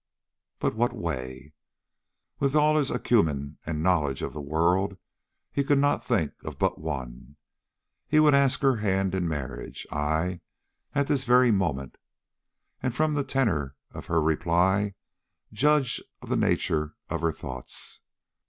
But what way? With all his acumen and knowledge of the world, he could think of but one. He would ask her hand in marriage aye, at this very moment and from the tenor of her reply judge of the nature of her thoughts.